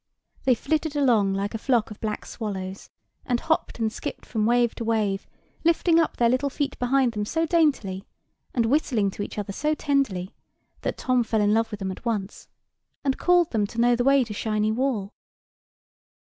They flitted along like a flock of black swallows, and hopped and skipped from wave to wave, lifting up their little feet behind them so daintily, and whistling to each other so tenderly, that Tom fell in love with them at once, and called them to know the way to Shiny Wall.